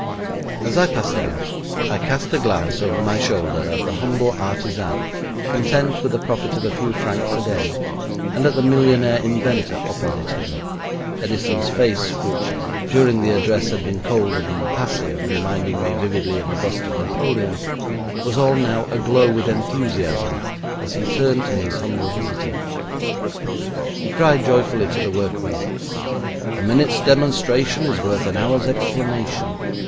As I passed out, I cast a glance over my shoulder at the humble artisan content with a profit of a few francs a day, and at the millionaire inventor opposite him, Edison's face, which during the address had been cold and impassive, reminding me vividly of a bust of Napoleon, was now all aglow with enthusiasm as he turned to his humble visitor. He cried joyfully to the workman: 'A minute's demonstration is worth an hour's explanation.